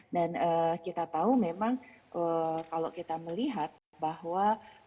dan kita tahu memang kalau kita melihat bahwa